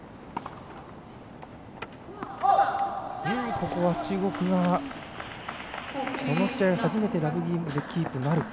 ここは中国側この試合初めてラブゲームでキープなるか。